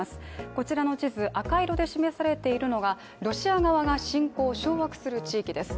こちらの地図、赤色で示されているのがロシア側が侵攻を掌握する地域です。